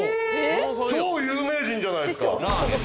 超有名人じゃないですか！